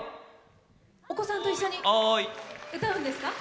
お子さんと一緒に歌うんですか？